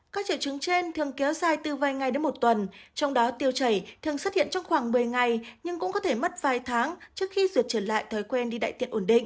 các triệu chứng trên thường kéo dài từ vài ngày đến một tuần trong đó tiêu chảy thường xuất hiện trong khoảng một mươi ngày nhưng cũng có thể mất vài tháng trước khi xuột trở lại thói quen đi đại tiện ổn định